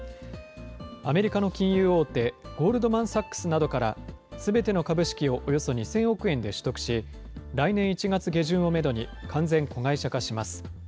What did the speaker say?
アメリカの金融大手、ゴールドマン・サックスなどから、すべての株式をおよそ２０００億円で取得し、来年１月下旬をメドに、完全子会社化します。